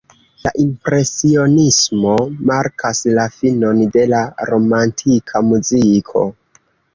La impresionismo markas la finon de la romantika muziko.